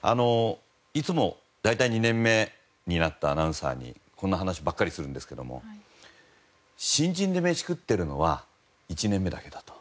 あのいつも大体２年目になったアナウンサーにこんな話ばっかりするんですけども新人で飯食ってるのは１年目だけだと。